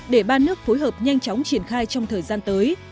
để ba nước phối hợp nhanh chóng triển khai trong thời gian tới